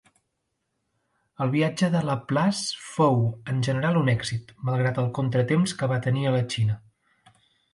El viatge de Laplace fou en general un èxit, malgrat el contratemps que va tenir a la Xina.